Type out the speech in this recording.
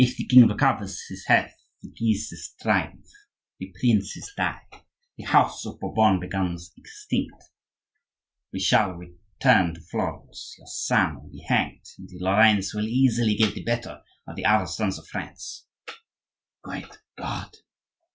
If the king recovers his health, the Guises triumph, the princes die, the house of Bourbon becomes extinct, we shall return to Florence, your son will be hanged, and the Lorrains will easily get the better of the other sons of France—" "Great God!"